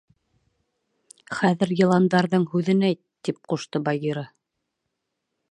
— Хәҙер Йыландарҙың һүҙен әйт, — тип ҡушты Багира.